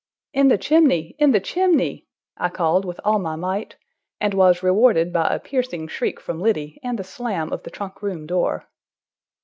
"In the chimney! In the chimney!" I called with all my might, and was rewarded by a piercing shriek from Liddy and the slam of the trunk room door.